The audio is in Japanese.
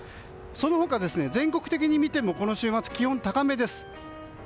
その他、全国的に見てもこの週末は気温が高めです。